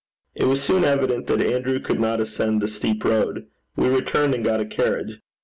It was soon evident that Andrew could not ascend the steep road. We returned and got a carriage.